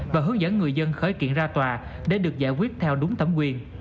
và hướng dẫn người dân khởi kiện ra tòa để được giải quyết theo đúng thẩm quyền